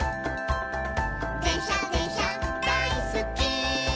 「でんしゃでんしゃだいすっき」